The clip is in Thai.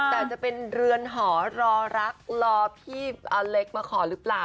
แต่จะเป็นเรือนหอรอรักรอพี่อเล็กมาขอหรือเปล่า